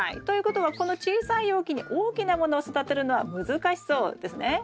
ということはこの小さい容器に大きなものを育てるのは難しそうですね。